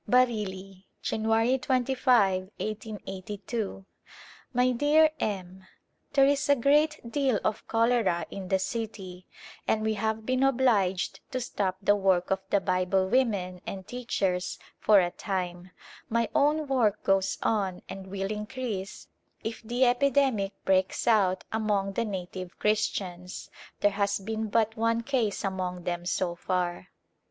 A Glimpse of India Bareilly^ Jan, ^5, 1S82, My dear M : There is a great deal of cholera in the city and we have been obliged to stop the work of the Bible women and teachers for a time. My own work goes on and will increase if the epidemic breaks out among the native Christians ; there has been but one case among them so far.